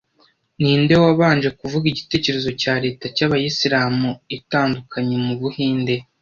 Ninde wabanje kuvuga igitekerezo cya leta y’abayisilamu itandukanye mu Buhinde